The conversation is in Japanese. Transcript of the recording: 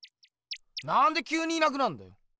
なんできゅうにいなくなんだよ！